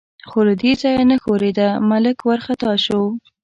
خو له دې ځایه نه ښورېده، ملک وارخطا شو.